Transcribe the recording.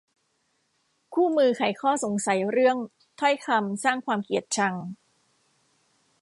คู่มือไขข้อสงสัยเรื่อง ถ้อยคำสร้างความเกลียดชัง